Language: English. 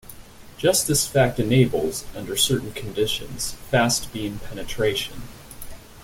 Just this fact enables, under certain conditions, fast beam penetration.